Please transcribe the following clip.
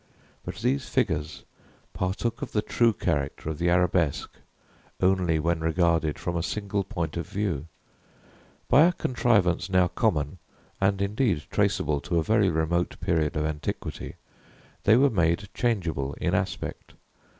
But these figures partook of the true character of the arabesque only when regarded from a single point of view. By a contrivance now common, and indeed traceable to a very remote period of antiquity, they were made changeable in aspect.